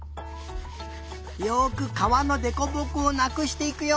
よくかわのでこぼこをなくしていくよ。